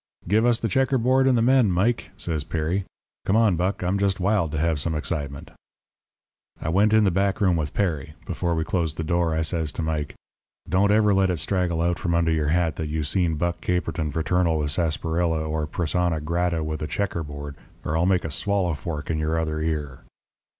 "'Give us the checker board and the men, Mike,' says Perry. 'Come on, Buck, I'm just wild to have some excitement.' "I went in the back room with Perry. Before we closed the door, I says to Mike: "'Don't ever let it straggle out from under your hat that you seen Buck Caperton fraternal with sarsaparilla or persona grata with a checker board, or I'll make a swallow fork in your other ear.'